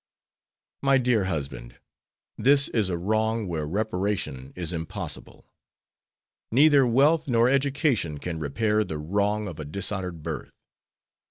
"My dear husband, this is a wrong where reparation is impossible. Neither wealth nor education can repair the wrong of a dishonored birth.